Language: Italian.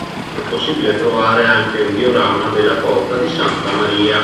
È possibile trovare anche un diorama della porta di Santa Maria.